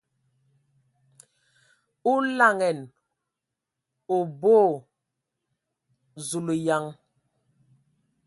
O laŋanǝ o boo ! Zulǝyaŋ!